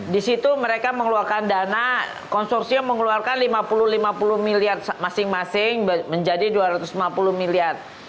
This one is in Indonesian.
di situ mereka mengeluarkan dana konsorsium mengeluarkan lima puluh lima puluh miliar masing masing menjadi dua ratus lima puluh miliar